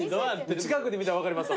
近くで見たら分かりますわ。